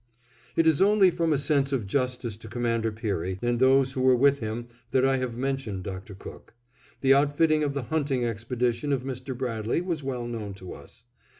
It is only from a sense of justice to Commander Peary and those who were with him that I have mentioned Dr. Cook. The outfitting of the hunting expedition of Mr. Bradley was well known to us.